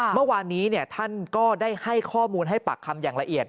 เมื่อวานนี้ท่านก็ได้ให้ข้อมูลให้ปากคำอย่างละเอียด